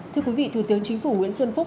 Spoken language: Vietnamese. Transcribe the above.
thưa quý vị thủ tướng chính phủ nguyễn xuân phúc